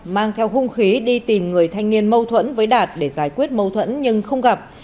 mang theo hung khí đi tìm người thanh niên mâu thuẫn với đạt để giải quyết mâu thuẫn nhưng không gặp